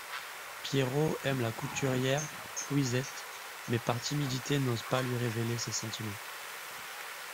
Pierrot aime la couturière Louisette, mais par timidité n'ose pas lui révéler ses sentiments.